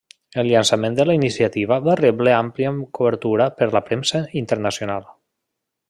El llançament de la iniciativa va rebre àmplia cobertura per la premsa internacional.